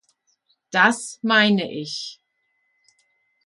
Das meine ich.